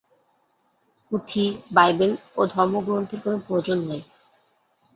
পুঁথি, বাইবেল ও ধর্মগ্রন্থের কোন প্রয়োজন নাই।